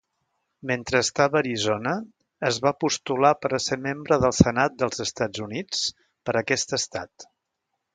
Mentre estava a Arizona, es va postular per a ser membre del Senat dels Estats Units per aquest estat.